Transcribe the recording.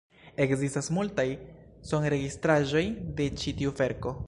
Ekzistas multaj sonregistraĵoj de ĉi tiu verko.